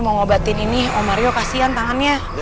mau ngobatin ini oh mario kasihan tangannya